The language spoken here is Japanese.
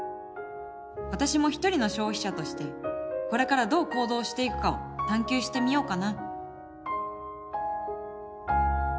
私も一人の消費者としてこれからどう行動していくかを探究してみようかな。